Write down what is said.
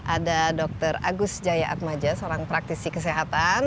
ada dr agus jaya atmaja seorang praktisi kesehatan